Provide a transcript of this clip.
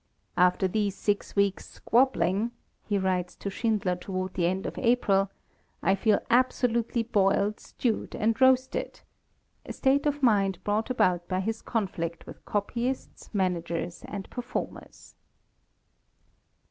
"After these six weeks' squabbling," he writes to Schindler toward the end of April, "I feel absolutely boiled, stewed and roasted," a state of mind brought about by his conflict with copyists, managers and performers.